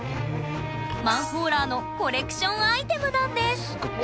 マンホーラーのコレクションアイテムなんですすっごい。